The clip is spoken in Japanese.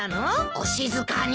お静かに。